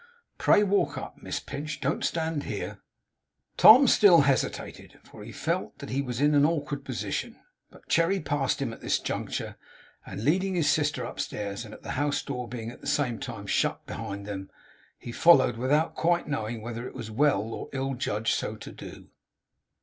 Pray walk up, Miss Pinch. Don't stand here.' Tom still hesitated for he felt that he was in an awkward position. But Cherry passing him at this juncture, and leading his sister upstairs, and the house door being at the same time shut behind them, he followed without quite knowing whether it was well or ill judged so to do.